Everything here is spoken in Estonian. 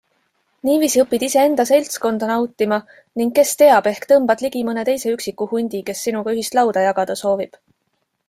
Niiviisi õpid iseenda seltskonda nautima ning kes teab, ehk tõmbad ligi mõne teise üksiku hundi, kes sinuga ühist lauda jagada soovib.